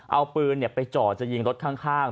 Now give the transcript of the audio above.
เอาปืนไปจ่อจะยิงรถข้าง